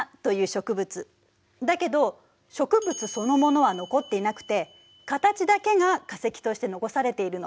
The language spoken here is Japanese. だけど植物そのものは残っていなくて形だけが化石として残されているの。